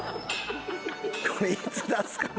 これいつ出すかの。